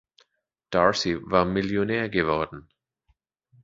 D’Arcy war Millionär geworden.